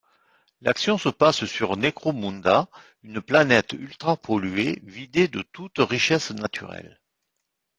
L'action se passe sur Necromunda, une planète ultra-polluée, vidée de toute richesse naturelle.